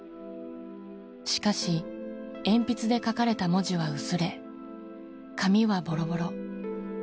しかし鉛筆で書かれた文字は薄れ紙はボロボロ。